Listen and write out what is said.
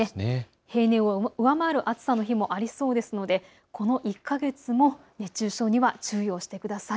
平年を上回る暑さの日もありそうですのでこの１か月の熱中症には気をつけてください。